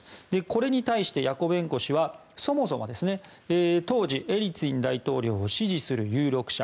これに対してヤコベンコ氏はそもそもは当時エリツィン大統領を支持する有力者